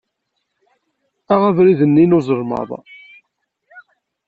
Aɣ abrid-nni n uzelmaḍ.